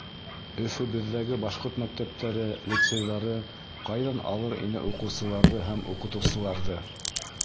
Өфөбөҙҙәге башҡорт мәктәптәре, лицейҙары ҡайҙан алыр ине уҡыусыларҙы һәм уҡытыусыларҙы?